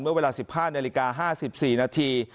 เวลา๑๕นาฬิกา๕๔นาที